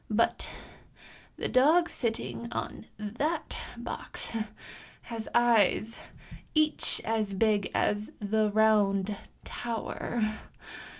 But the dog sitting on that box has eyes each as big as the Round Tower.